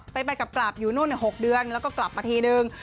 ไปไปกับกลับ๖เดือนแล้วก็กลับมาทีนึง